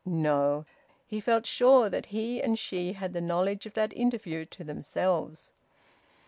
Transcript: No! He felt sure that he and she had the knowledge of that interview to themselves.